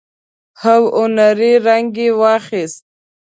او هنري رنګ يې واخيست.